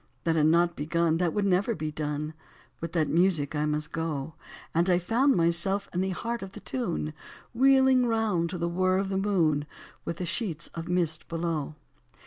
That had not begun. That would never be done, With that music I must go : And I found myself in the heart of the tune. Wheeling round to the whirr of the moon, With the sheets of mist below.